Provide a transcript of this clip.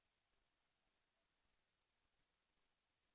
แสวได้ไงของเราก็เชียนนักอยู่ค่ะเป็นผู้ร่วมงานที่ดีมาก